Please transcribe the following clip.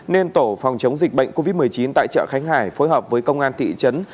nên tổ phòng chống dịch bệnh covid một mươi chín tại chợ khánh hải phối hợp với công an thị trấn